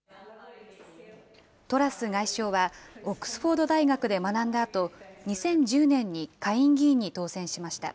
トラス外相は、オックスフォード大学で学んだあと、２０１０年に下院議員に当選しました。